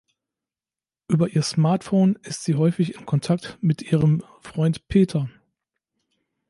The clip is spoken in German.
Über ihr Smartphone ist sie häufig in Kontakt mit ihrem Freund Peter.